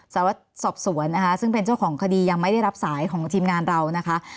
สารวัตรสอบสวนนะคะซึ่งเป็นเจ้าของคดียังไม่ได้รับสายของทีมงานเรานะคะ